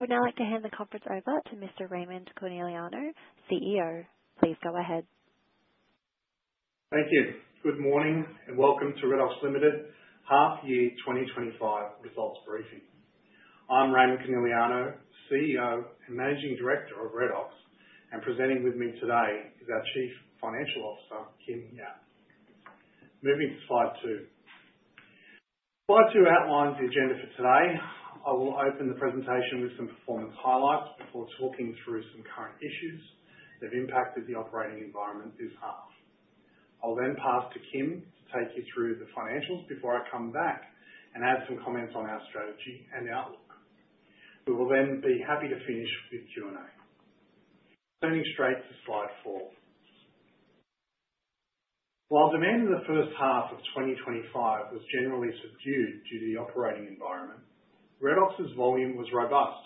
Would now like to hand the conference over to Mr. Raimond Coneliano, CEO. Please go ahead. Thank you. Good morning and welcome to Redox Limited half-year 2025 results briefing. I'm Raimond Coneliano, CEO and Managing Director of Redox, and presenting with me today is our Chief Financial Officer, Kim Yap. Moving to slide two. Slide two outlines the agenda for today. I will open the presentation with some performance highlights before talking through some current issues that have impacted the operating environment this half. I'll then pass to Kim to take you through the financials before I come back and add some comments on our strategy and outlook. We will then be happy to finish with Q&A. Turning straight to slide four. While demand in the first half of 2025 was generally subdued due to the operating environment, Redox's volume was robust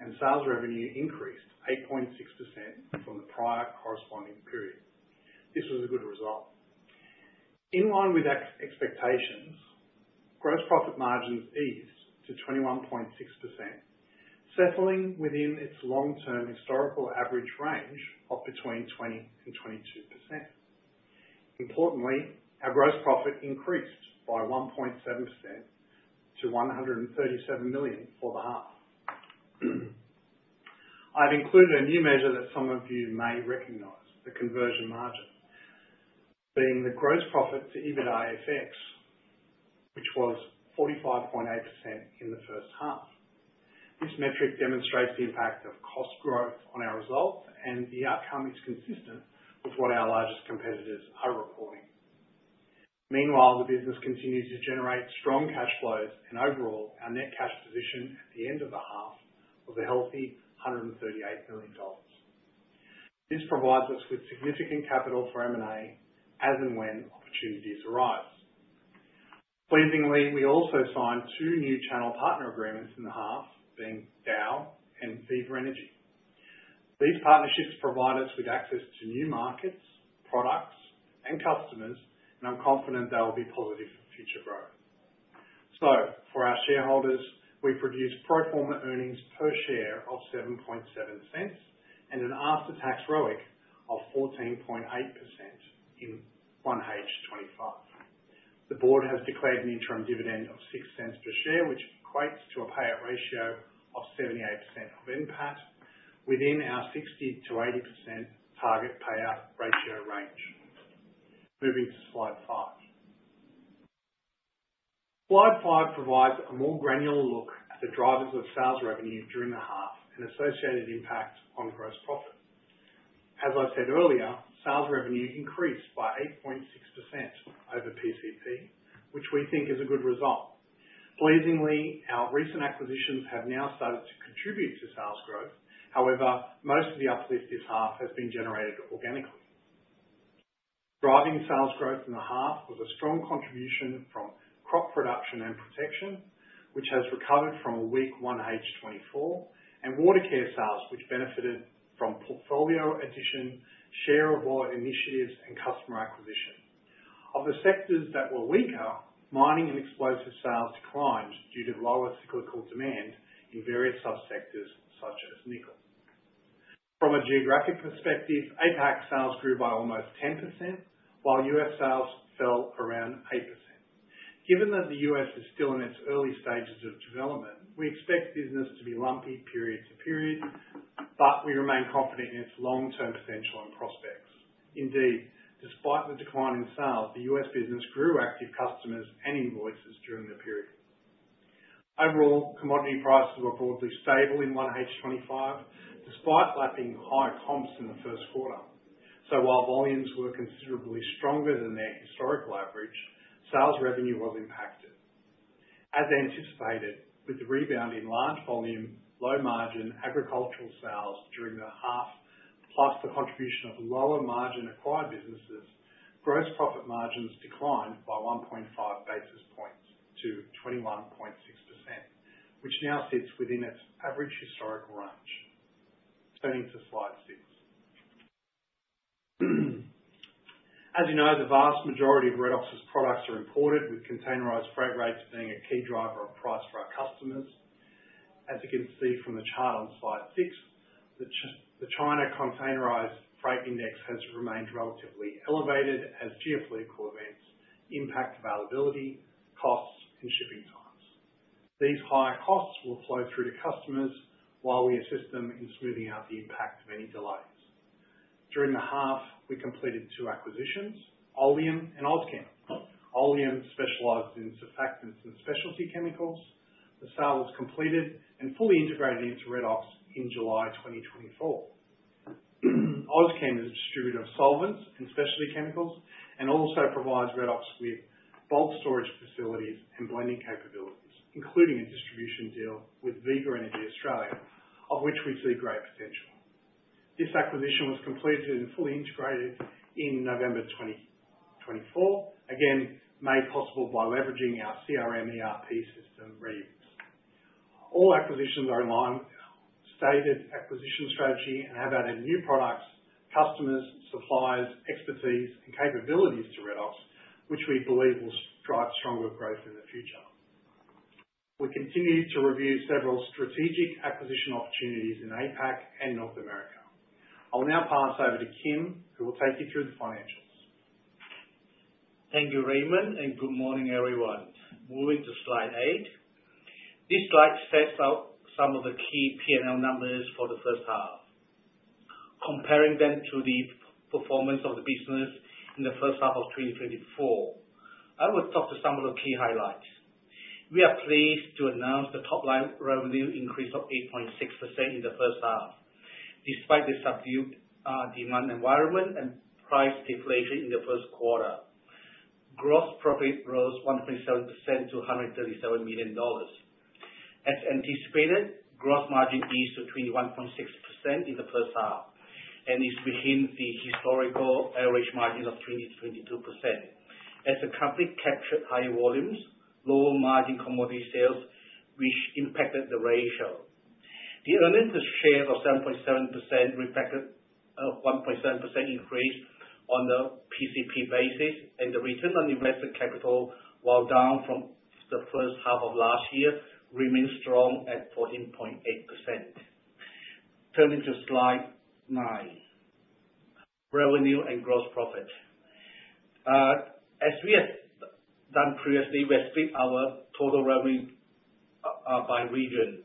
and sales revenue increased 8.6% from the prior corresponding period. This was a good result. In line with expectations, gross profit margins eased to 21.6%, settling within its long-term historical average range of between 20% and 22%. Importantly, our gross profit increased by 1.7% to 137 million for the half. I've included a new measure that some of you may recognize, the conversion margin, being the gross profit to EBITDA effects, which was 45.8% in the first half. This metric demonstrates the impact of cost growth on our results, and the outcome is consistent with what our largest competitors are reporting. Meanwhile, the business continues to generate strong cash flows, and overall, our net cash position at the end of the half was a healthy $138 million. This provides us with significant capital for M&A as and when opportunities arise. Pleasingly, we also signed two new channel partner agreements in the half, being Dow and Zebra Energy. These partnerships provide us with access to new markets, products, and customers, and I'm confident they will be positive for future growth. For our shareholders, we produce pro forma earnings per share of 0.077 and an after-tax ROIC of 14.8% in 1H 2025. The board has declared an interim dividend of 0.06 per share, which equates to a payout ratio of 78% of NPAT within our 60%-80% target payout ratio range. Moving to slide five. Slide five provides a more granular look at the drivers of sales revenue during the half and associated impact on gross profit. As I said earlier, sales revenue increased by 8.6% over PCP, which we think is a good result. Pleasingly, our recent acquisitions have now started to contribute to sales growth. However, most of the uplift this half has been generated organically. Driving sales growth in the half was a strong contribution from crop production and protection, which has recovered from a weak 1H 2024, and Water Care sales, which benefited from portfolio addition, share of board initiatives, and customer acquisition. Of the sectors that were weaker, mining and explosives sales declined due to lower cyclical demand in various subsectors such as nickel. From a geographic perspective, APAC sales grew by almost 10%, while U.S. sales fell around 8%. Given that the U.S. is still in its early stages of development, we expect business to be lumpy period to period, but we remain confident in its long-term potential and prospects. Indeed, despite the decline in sales, the U.S. business grew active customers and invoices during the period. Overall, commodity prices were broadly stable in 1H 2025 despite lapping high comps in the first quarter. While volumes were considerably stronger than their historical average, sales revenue was impacted. As anticipated, with the rebound in large volume, low margin agricultural sales during the half, plus the contribution of lower margin acquired businesses, gross profit margins declined by 1.5 basis points to 21.6%, which now sits within its average historical range. Turning to slide six. As you know, the vast majority of Redox's products are imported, with containerized freight rates being a key driver of price for our customers. As you can see from the chart on slide six, the China Containerized Freight Index has remained relatively elevated as geopolitical events impact availability, costs, and shipping times. These higher costs will flow through to customers while we assist them in smoothing out the impact of any delays. During the half, we completed two acquisitions, Oleum and Ozchem. Oleum specialized in surfactants and specialty chemicals. The sale was completed and fully integrated into Redox in July 2024. Ozchem is a distributor of solvents and specialty chemicals and also provides Redox with bulk storage facilities and blending capabilities, including a distribution deal with Zebra Energy Australia, of which we see great potential. This acquisition was completed and fully integrated in November 2024, again made possible by leveraging our CRM ERP system Redebs. All acquisitions are in line with our stated acquisition strategy and have added new products, customers, suppliers, expertise, and capabilities to Redox, which we believe will drive stronger growth in the future. We continue to review several strategic acquisition opportunities in APAC and North America. I'll now pass over to Kim, who will take you through the financials. Thank you, Raimond, and good morning, everyone. Moving to slide eight. This slide sets out some of the key P&L numbers for the first half. Comparing them to the performance of the business in the first half of 2024, I will talk to some of the key highlights. We are pleased to announce the top-line revenue increase of 8.6% in the first half. Despite the subdued demand environment and price deflation in the first quarter, gross profit rose 1.7% to 137 million dollars. As anticipated, gross margin eased to 21.6% in the first half and is within the historical average margin of 20%-22%. As the company captured high volumes, low margin commodity sales, which impacted the ratio. The earnings per share of 7.7% reflected a 1.7% increase on the PCP basis, and the return on invested capital, while down from the first half of last year, remains strong at 14.8%. Turning to slide nine, revenue and gross profit. As we have done previously, we have split our total revenue by region.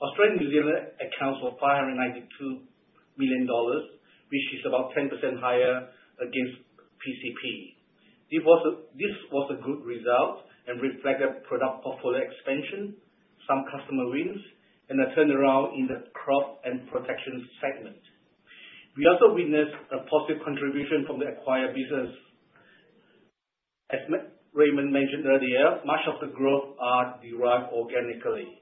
Australia-New Zealand accounts for 592 million dollars, which is about 10% higher against PCP. This was a good result and reflected product portfolio expansion, some customer wins, and a turnaround in the crop production and protection segment. We also witnessed a positive contribution from the acquired business. As Raimond mentioned earlier, much of the growth is derived organically.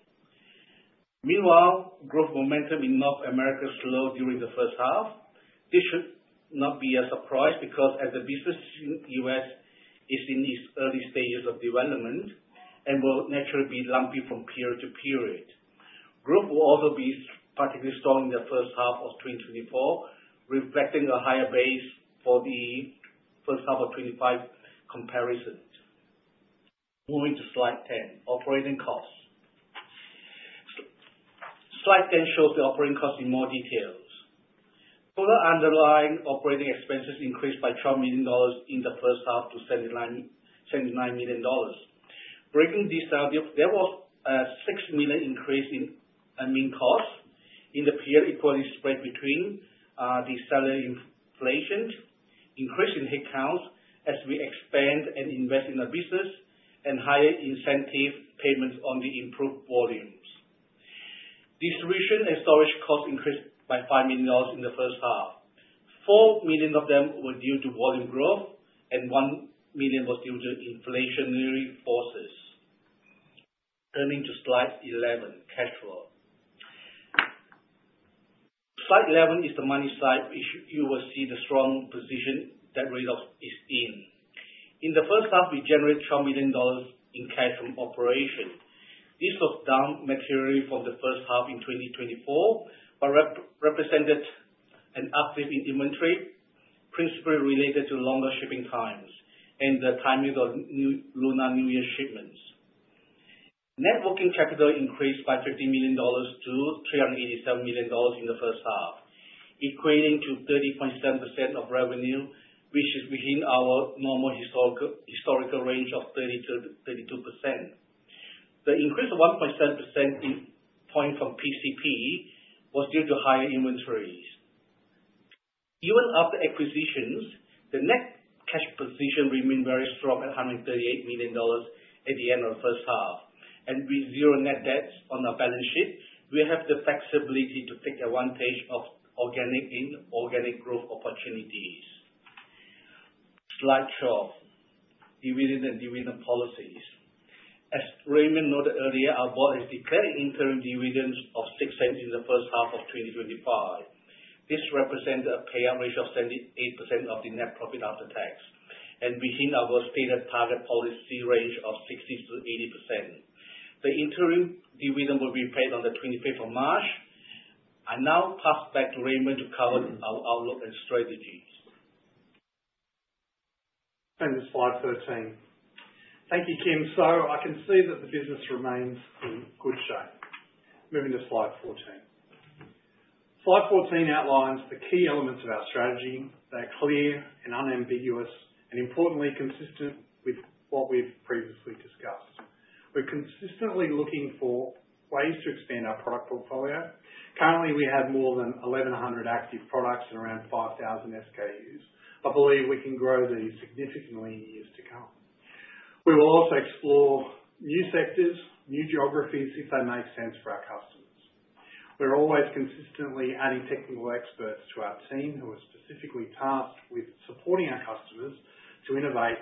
Meanwhile, growth momentum in North America slowed during the first half. This should not be a surprise because, as the business in the U.S. is in its early stages of development and will naturally be lumpy from period to period. Growth will also be particularly strong in the first half of 2024, reflecting a higher base for the first half of 2025 comparison. Moving to slide 10, operating costs. Slide 10 shows the operating costs in more detail. Total underlying operating expenses increased by 12 million dollars in the first half to 79 million dollars. Breaking this down, there was a six million increase in admin costs in the period equally spread between the salary inflation, increase in headcounts as we expand and invest in the business, and higher incentive payments on the improved volumes. Distribution and storage costs increased by 5 million dollars in the first half. Four million of them were due to volume growth, and one million was due to inflationary forces. Turning to slide 11, cash flow. Slide 11 is the money side, which you will see the strong position that Redox is in. In the first half, we generated 12 million dollars in cash from operations. This was down materially from the first half in 2024, but represented an uplift in inventory, principally related to longer shipping times and the timing of Lunar New Year shipments. Net working capital increased by 50 million dollars to 387 million dollars in the first half, equating to 30.7% of revenue, which is within our normal historical range of 30%-32%. The increase of 1.7 percentage points from PCP was due to higher inventories. Even after acquisitions, the net cash position remained very strong at AUD 138 million at the end of the first half. And with zero net debt on our balance sheet, we have the flexibility to take advantage of organic and inorganic growth opportunities. Slide 12, dividend and dividend policies. As Raimond noted earlier, our board has declared an interim dividend of 0.06 in the first half of 2025. This represented a payout ratio of 78% of the net profit after tax, and within our stated target policy range of 60%-80%. The interim dividend will be paid on the 25th of March. I now pass back to Raimond to cover our outlook and strategies. Slide 13. Thank you, Kim. I can see that the business remains in good shape. Moving to slide 14. Slide 14 outlines the key elements of our strategy. They’re clear and unambiguous and, importantly, consistent with what we’ve previously discussed. We’re consistently looking for ways to expand our product portfolio. Currently, we have more than 1,100 active products and around 5,000 SKUs. I believe we can grow these significantly in years to come. We will also explore new sectors, new geographies if they make sense for our customers. We’re always consistently adding technical experts to our team who are specifically tasked with supporting our customers to innovate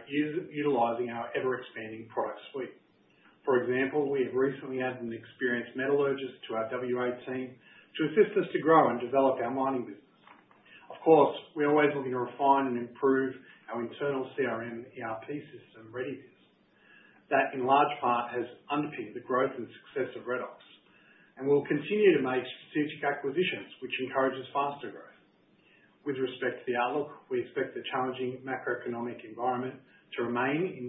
utilizing our ever-expanding product suite. For example, we have recently added an experienced metallurgist to our WA team to assist us to grow and develop our mining business. Of course, we're always looking to refine and improve our internal CRM ERP system readiness. That, in large part, has underpinned the growth and success of Redox, and we'll continue to make strategic acquisitions, which encourages faster growth. With respect to the outlook, we expect the challenging macroeconomic environment to remain in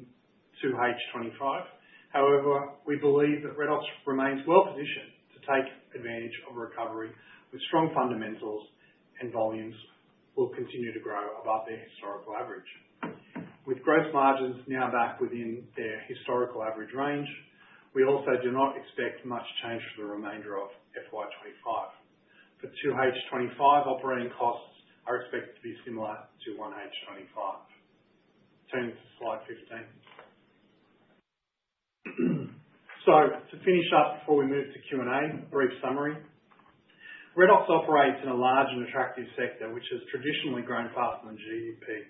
2H 2025. However, we believe that Redox remains well positioned to take advantage of recovery with strong fundamentals, and volumes will continue to grow above their historical average. With gross margins now back within their historical average range, we also do not expect much change for the remainder of FY 2025. For 2H 2025, operating costs are expected to be similar to 1H 2025. Turning to slide 15. So, to finish up before we move to Q&A, a brief summary. Redox operates in a large and attractive sector, which has traditionally grown faster than GDP.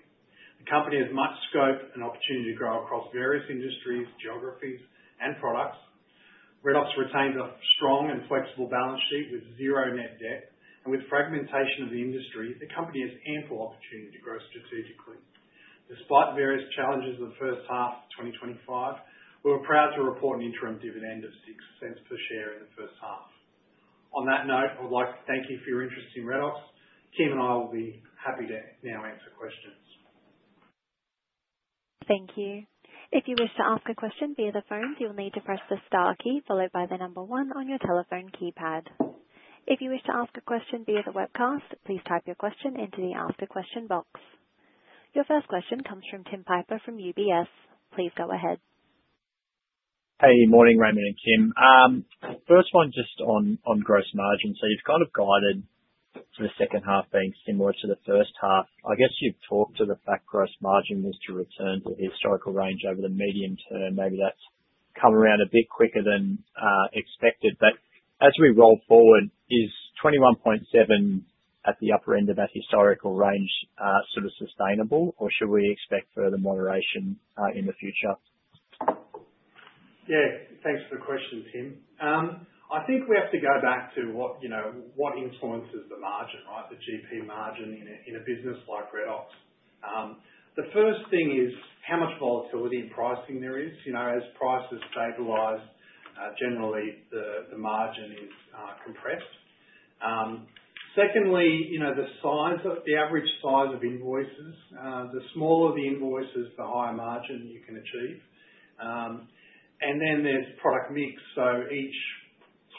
The company has much scope and opportunity to grow across various industries, geographies, and products. Redox retains a strong and flexible balance sheet with zero net debt, and with fragmentation of the industry, the company has ample opportunity to grow strategically. Despite various challenges in the first half of 2025, we were proud to report an interim dividend of 0.06 per share in the first half. On that note, I would like to thank you for your interest in Redox. Kim and I will be happy to now answer questions. Thank you. If you wish to ask a question via the phone, you will need to press the star key followed by the number one on your telephone keypad. If you wish to ask a question via the webcast, please type your question into the ask a question box. Your first question comes from Tim Piper from UBS. Please go ahead. Hey, morning, Raimond and Kim. First one just on gross margin. So you've kind of guided the second half being similar to the first half. I guess you've talked to the fact gross margin was to return to the historical range over the medium term. Maybe that's come around a bit quicker than expected. But as we roll forward, is 21.7 at the upper end of that historical range sort of sustainable, or should we expect further moderation in the future? Yeah, thanks for the question, Tim. I think we have to go back to what influences the margin, right? The GP margin in a business like Redox. The first thing is how much volatility in pricing there is. As prices stabilize, generally, the margin is compressed. Secondly, the average size of invoices. The smaller the invoices, the higher margin you can achieve. And then there's product mix. So each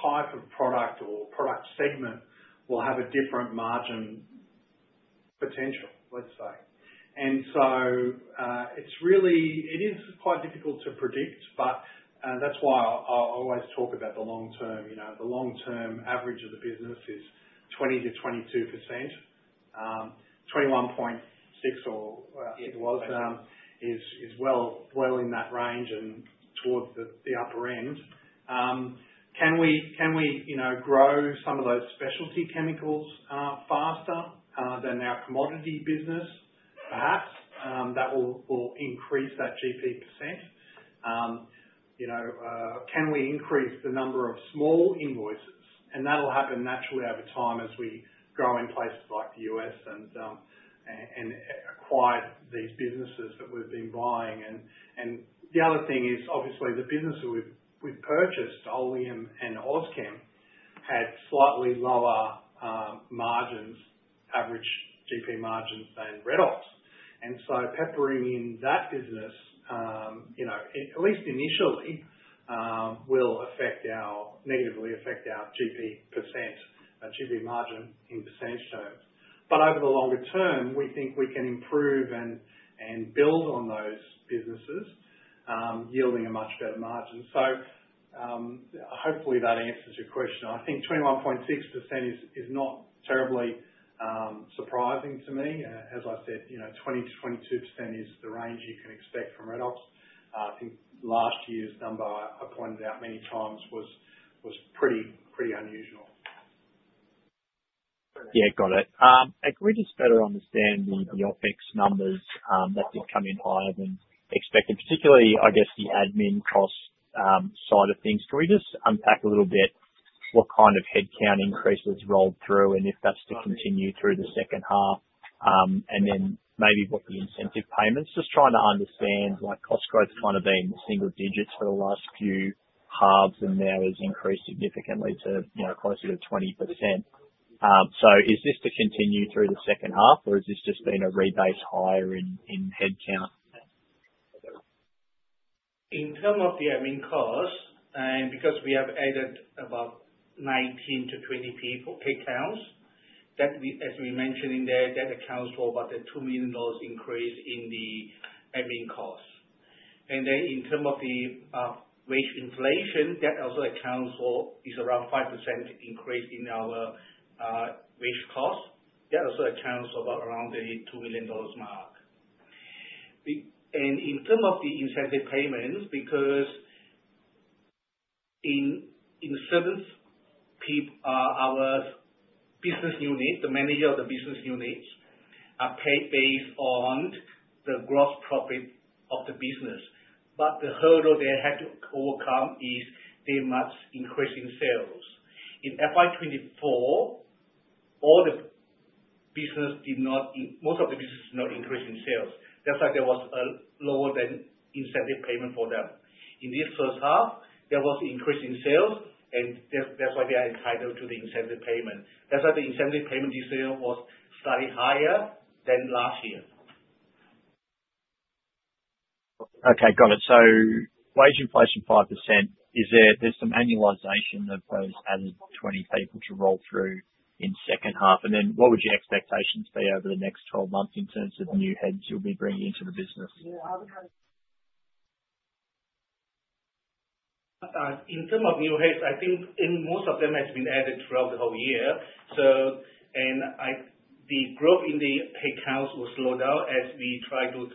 type of product or product segment will have a different margin potential, let's say. And so it is quite difficult to predict, but that's why I always talk about the long term. The long term average of the business is 20%-22%. 21.6, or I think it was, is well in that range and towards the upper end. Can we grow some of those specialty chemicals faster than our commodity business? Perhaps that will increase that GP percent. Can we increase the number of small invoices? And that'll happen naturally over time as we grow in places like the U.S. and acquire these businesses that we've been buying. And the other thing is, obviously, the business that we've purchased, Oleum and OzChem, had slightly lower average GP margins than Redox. And so peppering in that business, at least initially, will negatively affect our GP percent, our GP margin in percentage terms. But over the longer term, we think we can improve and build on those businesses, yielding a much better margin. So hopefully that answers your question. I think 21.6% is not terribly surprising to me. As I said, 20%-22% is the range you can expect from Redox. I think last year's number I pointed out many times was pretty unusual. Yeah, got it. Can we just better understand the OpEx numbers that did come in higher than expected, particularly, I guess, the admin cost side of things? Can we just unpack a little bit what kind of headcount increase was rolled through and if that's to continue through the second half? And then maybe what the incentive payments, just trying to understand cost growth kind of being single digits for the last few halves and now has increased significantly to closer to 20%. So is this to continue through the second half, or has this just been a rebate higher in headcount? In terms of the admin cost, and because we have added about 19-20 headcounts, as we mentioned in there, that accounts for about a 2 million dollars increase in the admin cost. And then in terms of the wage inflation, that also accounts for is around 5% increase in our wage cost. That also accounts for about the 2 million dollars mark. And in terms of the incentive payments, because in a certain piece, our business unit, the manager of the business units, are paid based on the gross profit of the business. But the hurdle they had to overcome is their much increase in sales. In FY 2024, most of the business did not increase in sales. That's why there was a lower than incentive payment for them. In this first half, there was an increase in sales, and that's why they are entitled to the incentive payment. That's why the incentive payment this year was slightly higher than last year. Okay, got it. So wage inflation 5%. Is there some annualization of those added 20 people to roll through in second half? And then what would your expectations be over the next 12 months in terms of new heads you'll be bringing into the business? In terms of new heads, I think most of them have been added throughout the whole year, and the growth in the headcounts will slow down as we try to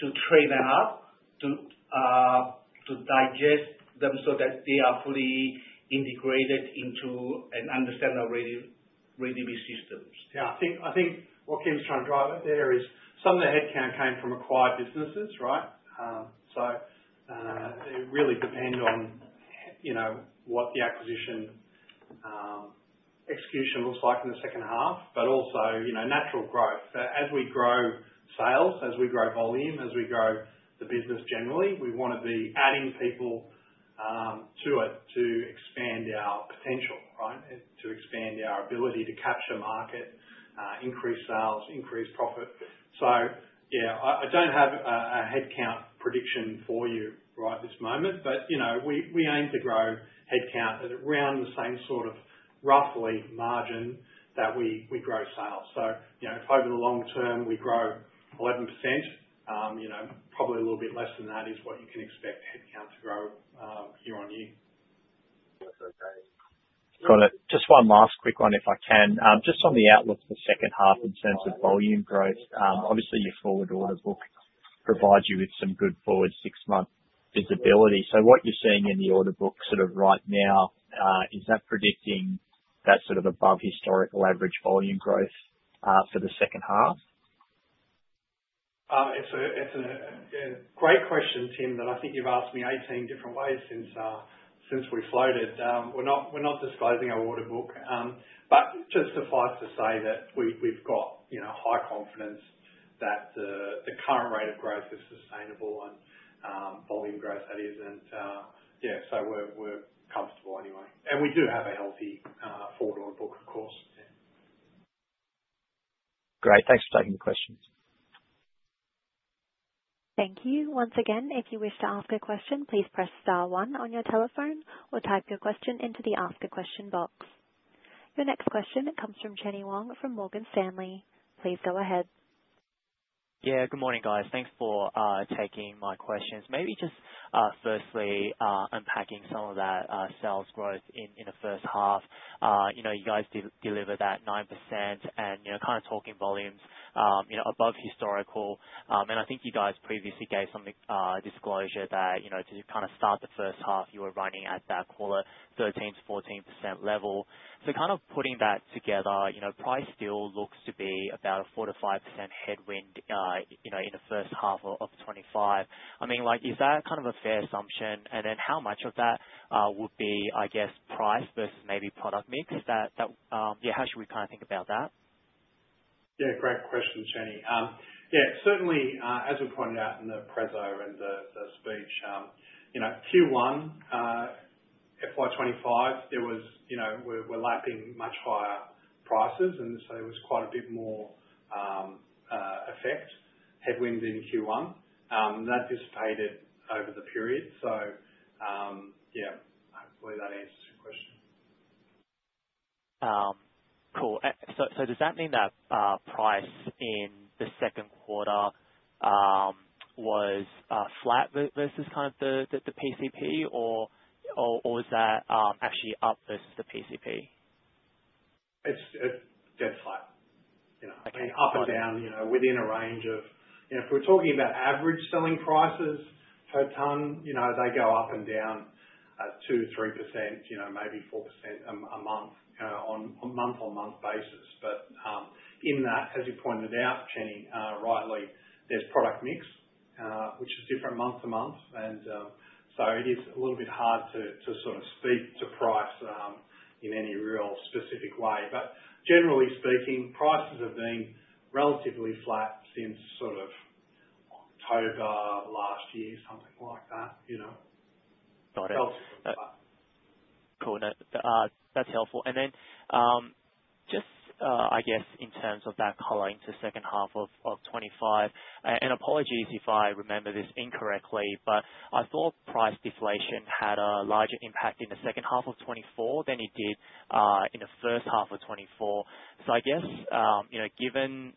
train them up to digest them so that they are fully integrated into and understand our ready-to-be systems. Yeah, I think what Kim's trying to drive out there is some of the headcount came from acquired businesses, right? So it really depends on what the acquisition execution looks like in the second half, but also natural growth. As we grow sales, as we grow volume, as we grow the business generally, we want to be adding people to it to expand our potential, right? To expand our ability to capture market, increase sales, increase profit. So yeah, I don't have a headcount prediction for you right at this moment, but we aim to grow headcount around the same sort of roughly margin that we grow sales. So if over the long term we grow 11%, probably a little bit less than that is what you can expect headcount to grow year on year. Got it. Just one last quick one, if I can. Just on the outlook for the second half in terms of volume growth, obviously your forward order book provides you with some good forward six-month visibility. So what you're seeing in the order book sort of right now, is that predicting that sort of above historical average volume growth for the second half? It's a great question, Tim, that I think you've asked me 18 different ways since we floated. We're not disclosing our order book, but just suffice to say that we've got high confidence that the current rate of growth is sustainable and volume growth that isn't. Yeah, so we're comfortable anyway. We do have a healthy forward order book, of course. Great. Thanks for taking the question. Thank you. Once again, if you wish to ask a question, please press star one on your telephone or type your question into the ask a question box. Your next question comes from Chenny Wang from Morgan Stanley. Please go ahead. Yeah, good morning, guys. Thanks for taking my questions. Maybe just firstly unpacking some of that sales growth in the first half. You guys delivered that 9% and kind of talking volumes above historical. And I think you guys previously gave some disclosure that to kind of start the first half, you were running at that quarter 13%-14% level. So kind of putting that together, price still looks to be about a 4%-5% headwind in the first half of 2025. I mean, is that kind of a fair assumption? And then how much of that would be, I guess, price versus maybe product mix? Yeah, how should we kind of think about that? Yeah, great question, Jenny. Yeah, certainly, as we pointed out in the prezo and the speech, Q1 FY 2025, there, we're lapping much higher prices, and so there was quite a bit more headwind effect in Q1. That dissipated over the period. So yeah, hopefully that answers your question. Cool. So does that mean that price in the second quarter was flat versus kind of the PCP, or was that actually up versus the PCP? It's dead flat. I mean, up and down within a range of if we're talking about average selling prices per ton, they go up and down 2%, 3%, maybe 4% a month on month-on-month basis. But in that, as you pointed out, Jenny, rightly, there's product mix, which is different month to month. And so it is a little bit hard to sort of speak to price in any real specific way. But generally speaking, prices have been relatively flat since sort of October last year, something like that. Got it. Cool. That's helpful. Then just, I guess, in terms of that coloring to second half of 2025, and apologies if I remember this incorrectly, but I thought price deflation had a larger impact in the second half of 2024 than it did in the first half of 2024. So I guess given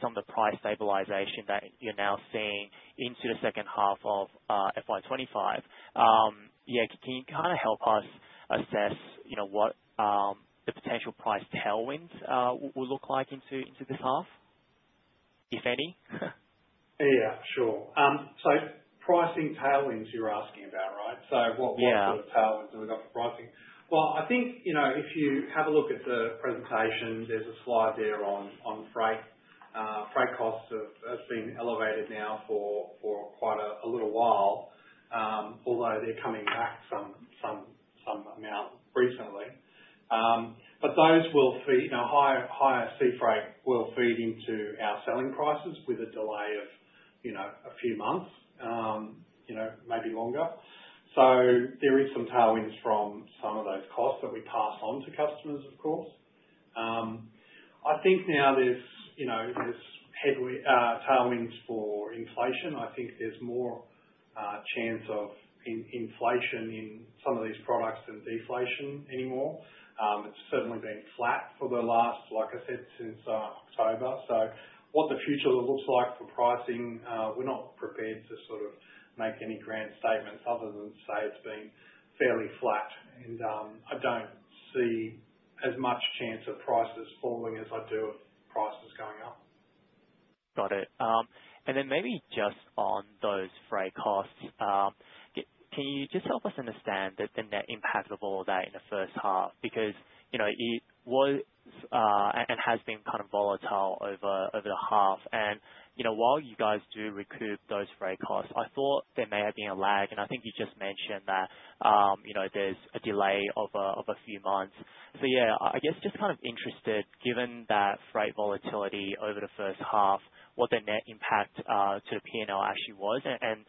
some of the price stabilization that you're now seeing into the second half of FY 2025, yeah, can you kind of help us assess what the potential price tailwinds will look like into this half, if any? Yeah, sure. So pricing tailwinds you're asking about, right? So what sort of tailwinds have we got for pricing? Well, I think if you have a look at the presentation, there's a slide there on freight. Freight costs have been elevated now for quite a little while, although they're coming back some amount recently. But those will feed higher sea freight will feed into our selling prices with a delay of a few months, maybe longer. So there is some tailwinds from some of those costs that we pass on to customers, of course. I think now there's tailwinds for inflation. I think there's more chance of inflation in some of these products than deflation anymore. It's certainly been flat for the last, like I said, since October. So what the future looks like for pricing, we're not prepared to sort of make any grand statements other than say it's been fairly flat. And I don't see as much chance of prices falling as I do of prices going up. Got it. And then maybe just on those freight costs, can you just help us understand the net impact of all that in the first half? Because it was and has been kind of volatile over the half. And while you guys do recoup those freight costs, I thought there may have been a lag. And I think you just mentioned that there's a delay of a few months. So yeah, I guess just kind of interested, given that freight volatility over the first half, what the net impact to the P&L actually was. And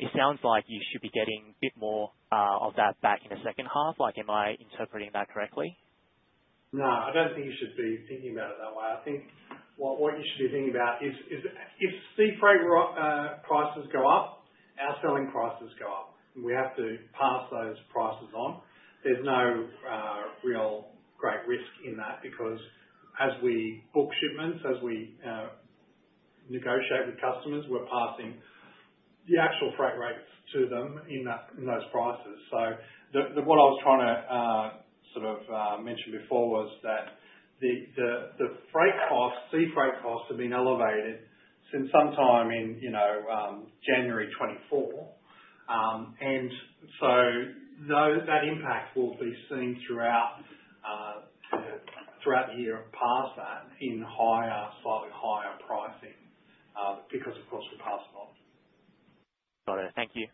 it sounds like you should be getting a bit more of that back in the second half. Am I interpreting that correctly? No, I don't think you should be thinking about it that way. I think what you should be thinking about is if sea freight prices go up, our selling prices go up. We have to pass those prices on. There's no real great risk in that because as we book shipments, as we negotiate with customers, we're passing the actual freight rates to them in those prices. So what I was trying to sort of mention before was that the freight costs, sea freight costs have been elevated since sometime in January 2024. And so that impact will be seen throughout the year past that in slightly higher pricing because, of course, we're passing on. Got it. Thank you.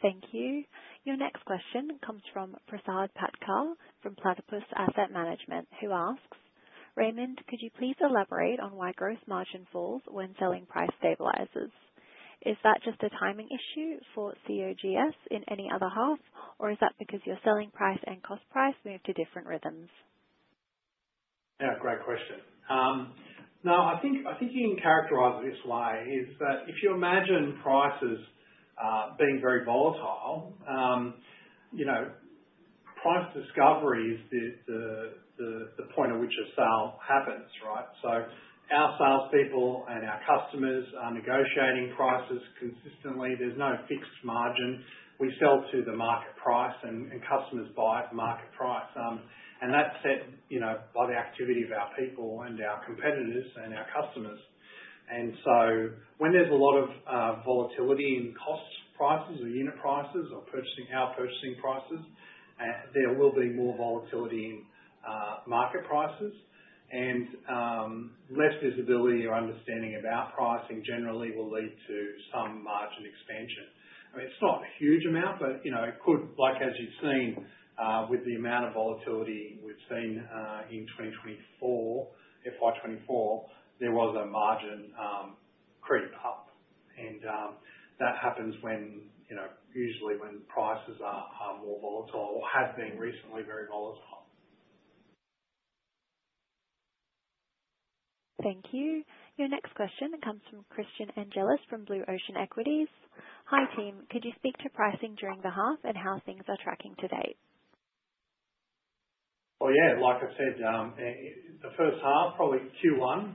Thank you. Your next question comes from Prasad Patkar from Platypus Asset Management, who asks, "Raimond, could you please elaborate on why gross margin falls when selling price stabilizes? Is that just a timing issue for COGS in any other half, or is that because your selling price and cost price move to different rhythms? Yeah, great question. No, I think you can characterize it this way, is that if you imagine prices being very volatile, price discovery is the point at which a sale happens, right? So our salespeople and our customers are negotiating prices consistently. There's no fixed margin. We sell to the market price, and customers buy at the market price. And that's set by the activity of our people and our competitors and our customers. And so when there's a lot of volatility in cost prices or unit prices or our purchasing prices, there will be more volatility in market prices. And less visibility or understanding about pricing generally will lead to some margin expansion. I mean, it's not a huge amount, but it could, like as you've seen with the amount of volatility we've seen in 2024, FY 2024, there was a margin creep up. That happens usually when prices are more volatile or have been recently very volatile. Thank you. Your next question comes from Christian Angelis from Blue Ocean Equities. "Hi team, could you speak to pricing during the half and how things are tracking to date? Yeah, like I said, the first half, probably Q1,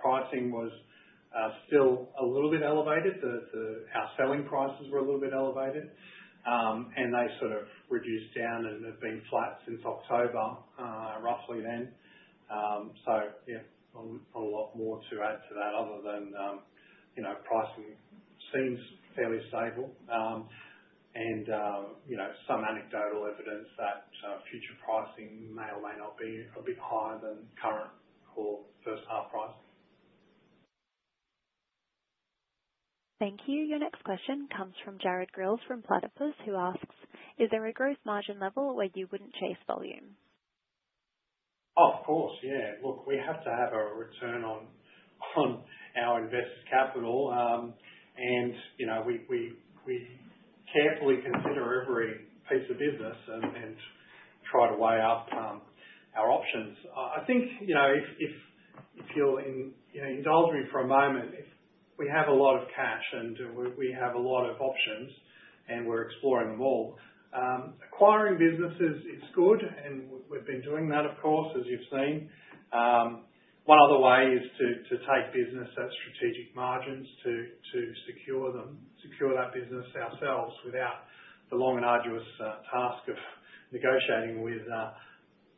pricing was still a little bit elevated. Our selling prices were a little bit elevated, and they sort of reduced down and have been flat since October, roughly then. So yeah, not a lot more to add to that other than pricing seems fairly stable, and some anecdotal evidence that future pricing may or may not be a bit higher than current or first half price. Thank you. Your next question comes from Jared Grylls from Platypus, who asks, "Is there a gross margin level where you wouldn't chase volume? Oh, of course. Yeah. Look, we have to have a return on our invested capital, and we carefully consider every piece of business and try to weigh up our options. I think if you'll indulge me for a moment, if we have a lot of cash and we have a lot of options and we're exploring them all, acquiring businesses is good, and we've been doing that, of course, as you've seen. One other way is to take business at strategic margins to secure that business ourselves without the long and arduous task of negotiating with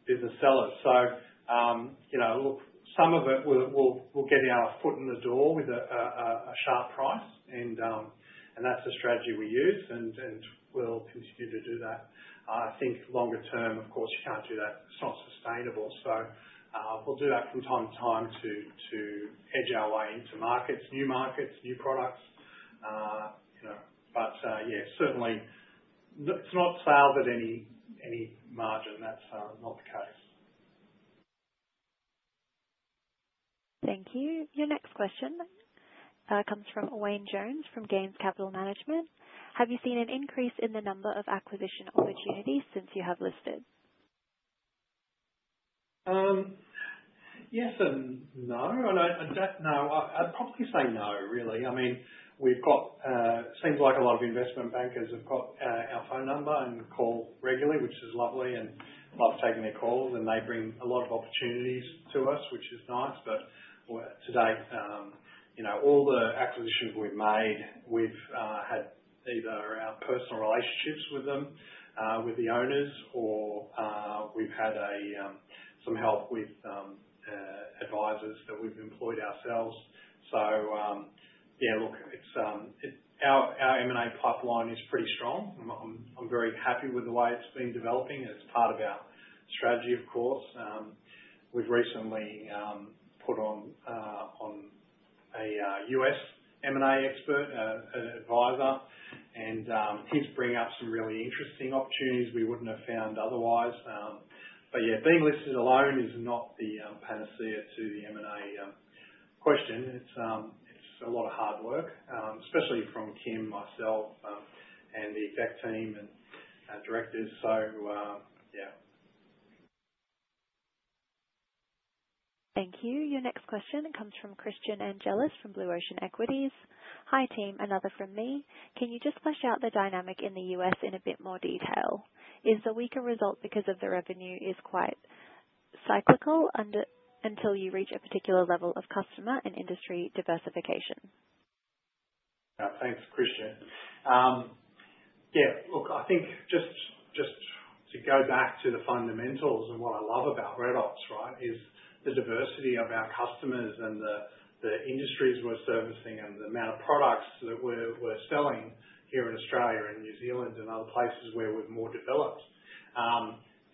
business sellers, so look, some of it, we'll get our foot in the door with a sharp price, and that's the strategy we use, and we'll continue to do that. I think longer term, of course, you can't do that. It's not sustainable. We'll do that from time to time to edge our way into markets, new markets, new products. Yeah, certainly, it's not sales at any margin. That's not the case. Thank you. Your next question comes from Wayne Jones from Ganes Capital Management. "Have you seen an increase in the number of acquisition opportunities since you have listed? Yes and no. I don't know. I'd probably say no, really. I mean, it seems like a lot of investment bankers have got our phone number and call regularly, which is lovely, and love taking their calls, and they bring a lot of opportunities to us, which is nice, but today, all the acquisitions we've made, we've had either our personal relationships with them, with the owners, or we've had some help with advisors that we've employed ourselves, so yeah, look, our M&A pipeline is pretty strong. I'm very happy with the way it's been developing. It's part of our strategy, of course. We've recently put on a U.S. M&A expert, an advisor, and he's bringing up some really interesting opportunities we wouldn't have found otherwise, but yeah, being listed alone is not the panacea to the M&A question. It's a lot of hard work, especially from Kim, myself, and the exec team and directors. So yeah. Thank you. Your next question comes from Christian Angelis from Blue Ocean Equities. "Hi team, another from me. Can you just flesh out the dynamic in the U.S. in a bit more detail? Is the weaker result because of the revenue is quite cyclical until you reach a particular level of customer and industry diversification? Thanks, Christian. Yeah, look, I think just to go back to the fundamentals and what I love about Redox, right, is the diversity of our customers and the industries we're servicing and the amount of products that we're selling here in Australia and New Zealand and other places where we're more developed.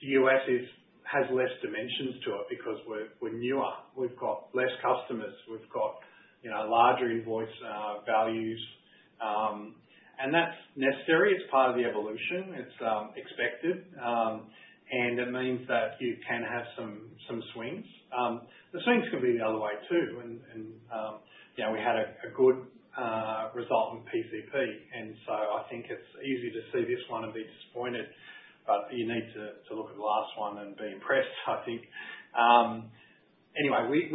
The U.S. has less dimensions to it because we're newer. We've got less customers. We've got larger invoice values, and that's necessary. It's part of the evolution. It's expected, and it means that you can have some swings. The swings can be the other way too, and we had a good result in PCP. And so I think it's easy to see this one and be disappointed. But you need to look at the last one and be impressed, I think. Anyway,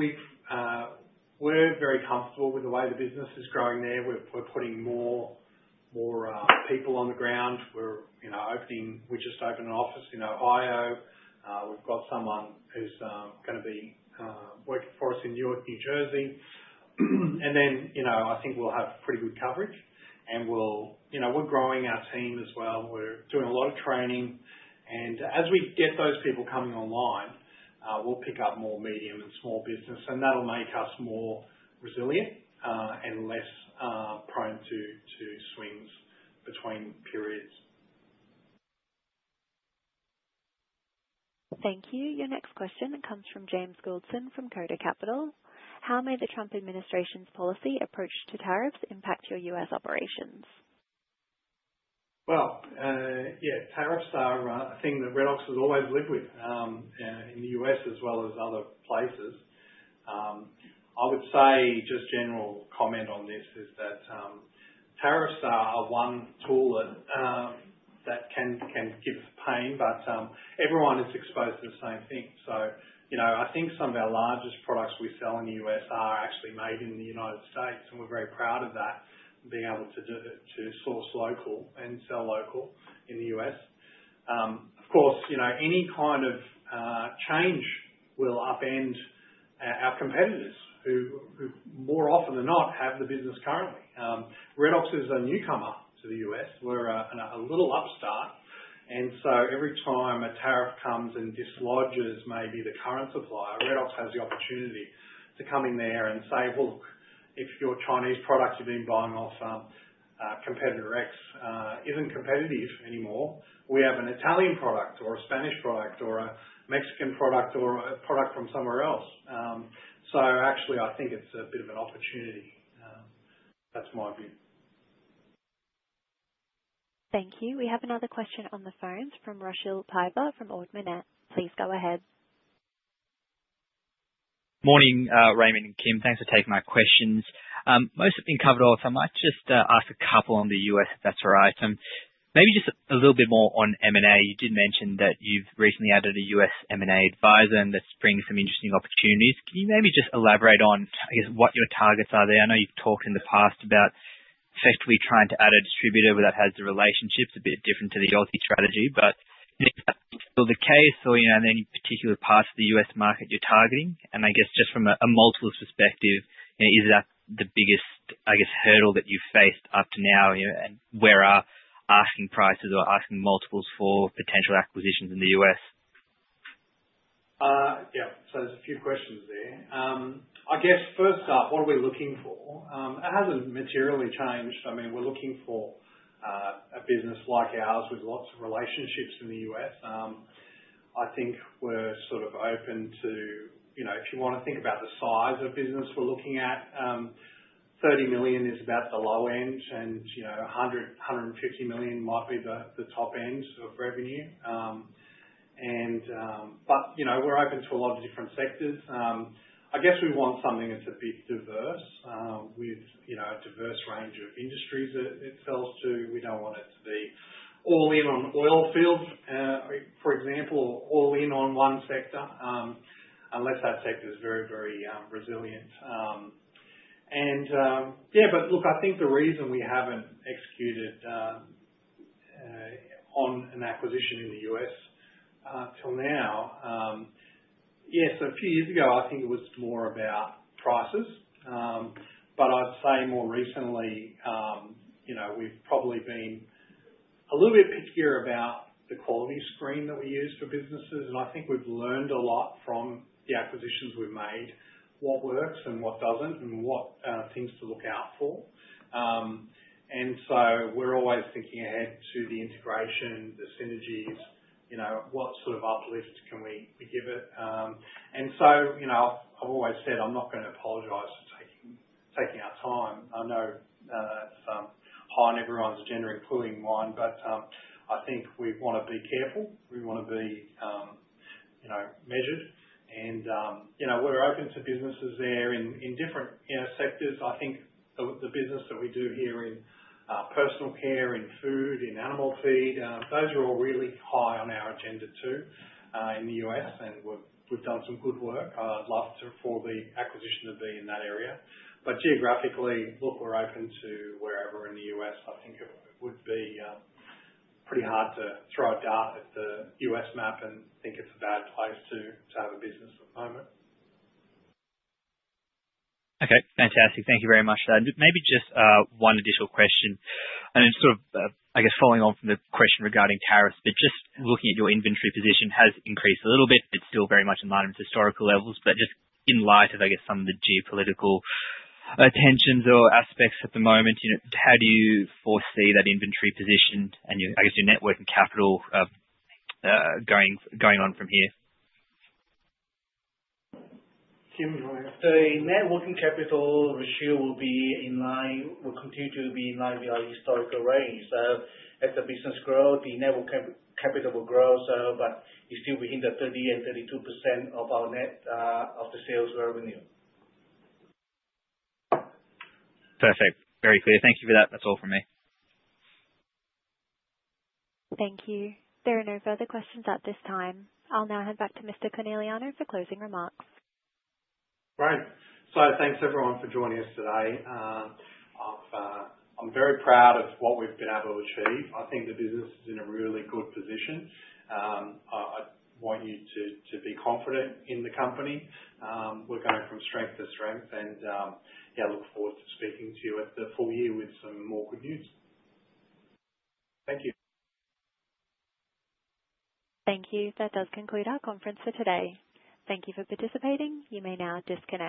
we're very comfortable with the way the business is growing there. We're putting more people on the ground. We just opened an office in Ohio. We've got someone who's going to be working for us in Newark, New Jersey. And then I think we'll have pretty good coverage. And we're growing our team as well. We're doing a lot of training. And as we get those people coming online, we'll pick up more medium and small business. And that'll make us more resilient and less prone to swings between periods. Thank you. Your next question comes from James Gouldson from Koda Capital. "How may the Trump administration's policy approach to tariffs impact your U.S. operations? Yeah, tariffs are a thing that Redox has always lived with in the U.S. as well as other places. I would say just general comment on this is that tariffs are one tool that can give us pain, but everyone is exposed to the same thing. So I think some of our largest products we sell in the U.S. are actually made in the United States. And we're very proud of that, being able to source local and sell local in the U.S. Of course, any kind of change will upend our competitors who more often than not have the business currently. Redox is a newcomer to the U.S. We're a little upstart. And so every time a tariff comes and dislodges maybe the current supplier, Redox has the opportunity to come in there and say, "Look, if your Chinese product you've been buying off competitor X isn't competitive anymore, we have an Italian product or a Spanish product or a Mexican product or a product from somewhere else." So actually, I think it's a bit of an opportunity. That's my view. Thank you. We have another question on the phone from Rachael Peberdy from Ord Minnett. Please go ahead. Morning, Raimond and Kim. Thanks for taking my questions. Most have been covered off. I might just ask a couple on the U.S., if that's all right. Maybe just a little bit more on M&A. You did mention that you've recently added a U.S. M&A advisor, and that's bringing some interesting opportunities. Can you maybe just elaborate on, I guess, what your targets are there? I know you've talked in the past about effectively trying to add a distributor where that has the relationships a bit different to the Aussie strategy. But is that still the case? Or are there any particular parts of the U.S. market you're targeting? And I guess just from a multiples perspective, is that the biggest, I guess, hurdle that you've faced up to now? And what are asking prices or asking multiples for potential acquisitions in the U.S.? Yeah. So there's a few questions there. I guess first off, what are we looking for? It hasn't materially changed. I mean, we're looking for a business like ours with lots of relationships in the U.S. I think we're sort of open to if you want to think about the size of business we're looking at, $30 million is about the low end, and $150 million might be the top end of revenue. But we're open to a lot of different sectors. I guess we want something that's a bit diverse with a diverse range of industries it sells to. We don't want it to be all in on oil fields, for example, or all in on one sector, unless that sector is very, very resilient. And yeah, but look, I think the reason we haven't executed on an acquisition in the U.S. till now, yes, a few years ago, I think it was more about prices. But I'd say more recently, we've probably been a little bit pickier about the quality screen that we use for businesses. And I think we've learned a lot from the acquisitions we've made, what works and what doesn't and what things to look out for. And so we're always thinking ahead to the integration, the synergies, what sort of uplift can we give it? And so I've always said I'm not going to apologize for taking our time. I know that's high on everyone's agenda and pulling one. But I think we want to be careful. We want to be measured. And we're open to businesses there in different sectors. I think the business that we do here in personal care, in food, in animal feed, those are all really high on our agenda too in the U.S. And we've done some good work. I'd love for the acquisition to be in that area. But geographically, look, we're open to wherever in the U.S. I think it would be pretty hard to throw a dart at the U.S map and think it's a bad place to have a business at the moment. Okay. Fantastic. Thank you very much. Maybe just one additional question, and sort of, I guess, following on from the question regarding tariffs, but just looking at your inventory position has increased a little bit. It's still very much in line with historical levels. But just in light of, I guess, some of the geopolitical tensions or aspects at the moment, how do you foresee that inventory position and, I guess, your net working capital going on from here? Kim, the net working capital we'll continue to be in line with our historical range. So as the business grows, the net working capital will grow. But it's still within the 30% and 32% of our net sales revenue. Perfect. Very clear. Thank you for that. That's all from me. Thank you. There are no further questions at this time. I'll now hand back to Mr. Coneliano for closing remarks. Great. So thanks, everyone, for joining us today. I'm very proud of what we've been able to achieve. I think the business is in a really good position. I want you to be confident in the company. We're going from strength to strength, and yeah, look forward to speaking to you at the full year with some more good news. Thank you. Thank you. That does conclude our conference for today. Thank you for participating. You may now disconnect.